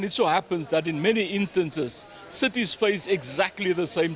dan itu juga terjadi dalam banyak hal kota kota mengalami tantangan yang sama